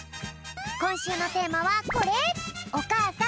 こんしゅうのテーマはこれ！